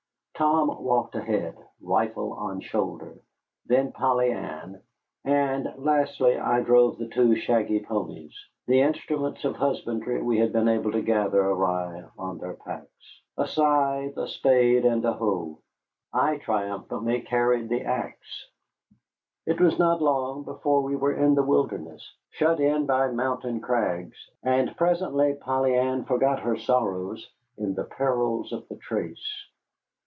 Tom walked ahead, rifle on shoulder, then Polly Ann; and lastly I drove the two shaggy ponies, the instruments of husbandry we had been able to gather awry on their packs, a scythe, a spade, and a hoe. I triumphantly carried the axe. It was not long before we were in the wilderness, shut in by mountain crags, and presently Polly Ann forgot her sorrows in the perils of the trace.